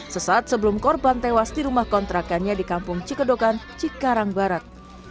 sesaat sebelum korban tewas di rumah kontrakannya di kampung cikedokan cikarang barat